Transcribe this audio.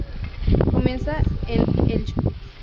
Comienza en Elche.